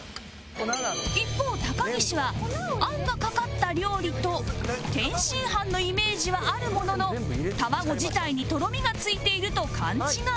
一方高岸は「餡がかかった料理」と天津飯のイメージはあるものの卵自体にとろみが付いていると勘違い